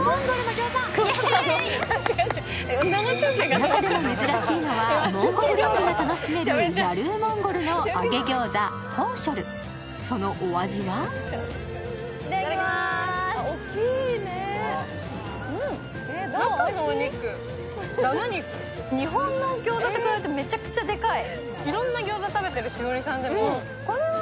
中でも珍しいのはモンゴル料理が楽しめるヤルーモンゴルの揚げギョーザホーショル、そのお味は日本のギョーザと比べてめちゃくちゃでかい。